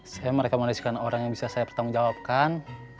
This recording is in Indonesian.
saya merekam aliskan orang yang bisa saya pertanggungjawabkan